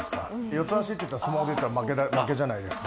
四つ足って相撲でいったら負けじゃないですか。